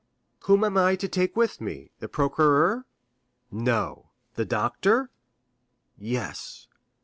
"Whom am I to take with me? The procureur?" "No." "The doctor?" "Yes."